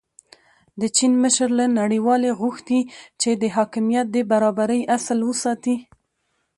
د چین مشر له نړیوالې غوښتي چې د حاکمیت د برابرۍ اصل وساتي.